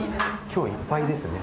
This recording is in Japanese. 今日いっぱいですね。